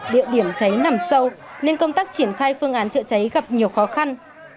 địa điểm cháy nằm sâu nên công tác triển khai phương án chữa cháy gặp nhiều khó khăn